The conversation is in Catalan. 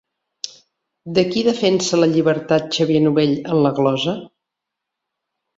De qui defensa la llibertat Xavier Novell en la glosa?